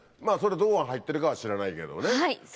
まぁそれどこが入ってるかは知らないけどね。